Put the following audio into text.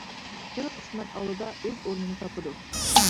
تىل قىسمەت ئالدىدا ئۆز ئورنىنى تاپىدۇ.